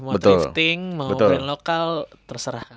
mau drifting mau brand lokal terserah